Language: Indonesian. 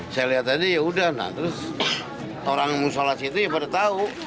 saya lihat aja yaudah nah terus orang musola situ ya pada tahu